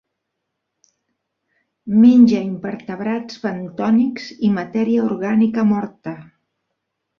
Menja invertebrats bentònics i matèria orgànica morta.